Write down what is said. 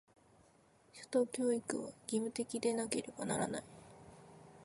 初等教育は、義務的でなければならない。